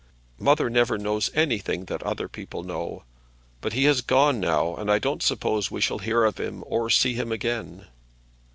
"Mother never knows anything that other people know. But he has gone now, and I don't suppose we shall hear of him or see him again."